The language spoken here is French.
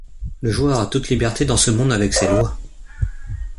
Le joueur a toute liberté dans ce monde avec ses lois.